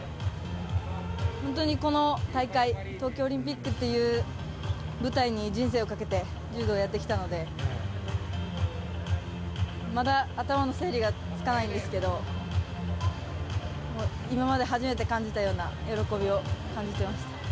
あそこで涙を見せたのはこの大会東京オリンピックという舞台に人生をかけて柔道をやってきたのでまだ頭の整理がつかないですけど今まで初めて感じたような喜びを感じていました。